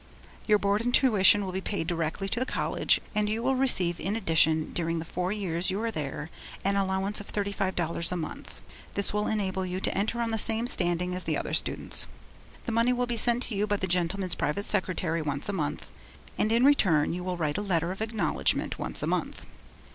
Your board and tuition will be paid directly to the college, and you will receive in addition during the four years you are there, an allowance of thirty five dollars a month. This will enable you to enter on the same standing as the other students. The money will be sent to you by the gentleman's private secretary once a month, and in return, you will write a letter of acknowledgment once a month.